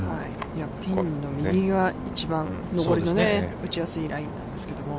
ピンの右が一番上りの打ちやすいラインなんですけれども。